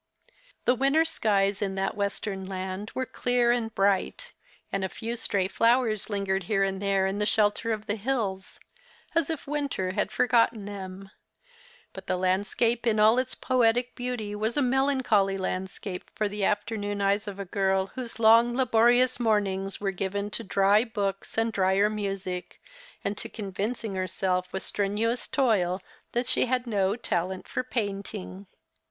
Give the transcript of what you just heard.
The winter skies in that western land were clear and bright, and a few stray flowers lingered here and there in the shelter of the hills, as if winter had forgotten them ; but the landscape in all its poetic beauty was a melancholy landscape for the afternoon eyes of a girl, whose long laborious mornings were given to dry books and drier music, and to convincing herself with strenuous toil that she had no talent for painting.